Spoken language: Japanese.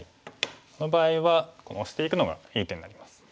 この場合はオシていくのがいい手になります。